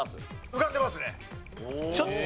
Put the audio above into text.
浮かんでますね。